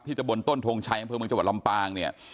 ที่ตำบลต้นทงชัยเมืองเจาะลำปางเนี่ย